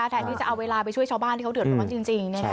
แทนที่จะเอาเวลาไปช่วยชาวบ้านที่เขาเดือดร้อนจริง